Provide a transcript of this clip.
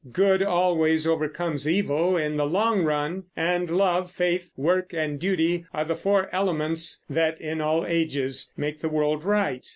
Good always overcomes evil in the long run; and love, faith, work, and duty are the four elements that in all ages make the world right.